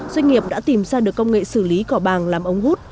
doanh nghiệp đã tìm ra được công nghệ xử lý cỏ bàng làm ống hút